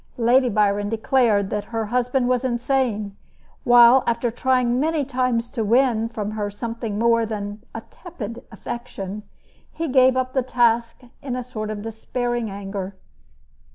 Lady Byron declared that her husband was insane; while after trying many times to win from her something more than a tepid affection, he gave up the task in a sort of despairing anger.